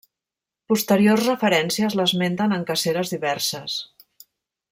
Posteriors referències l'esmenten en caceres diverses.